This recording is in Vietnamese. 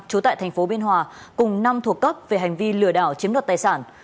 trú tại thành phố biên hòa cùng năm thuộc cấp về hành vi lừa đảo chiếm đoạt tài sản